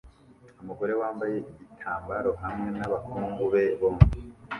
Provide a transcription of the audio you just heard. Umugore wambaye igitambaro hamwe nabahungu be bombi